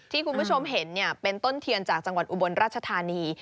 ที่คุณผู้ชมเห็นเป็นต้นเทียนจากจังหวัดอุบลราชธานี